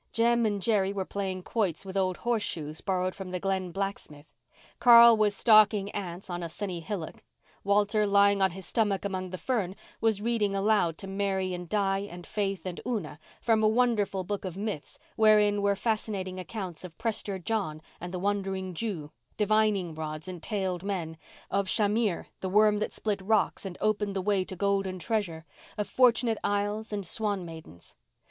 Jem and Jerry were playing quoits with old horseshoes borrowed from the Glen blacksmith. Carl was stalking ants on a sunny hillock. Walter, lying on his stomach among the fern, was reading aloud to Mary and Di and Faith and Una from a wonderful book of myths wherein were fascinating accounts of Prester John and the Wandering Jew, divining rods and tailed men, of Schamir, the worm that split rocks and opened the way to golden treasure, of Fortunate Isles and swan maidens.